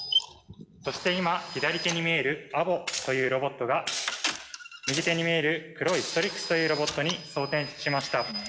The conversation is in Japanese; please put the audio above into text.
そして今左手に見えるアボというロボットが右手に見える黒いＳＴＲＩＸというロボットに装填しました。